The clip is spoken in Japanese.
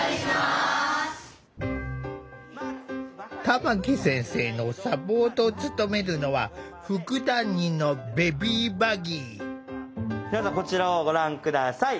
玉木先生のサポートを務めるのはどうぞこちらをご覧下さい。